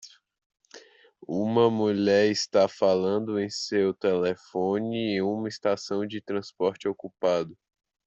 Uma mulher está falando em seu telefone em uma estação de transporte ocupado.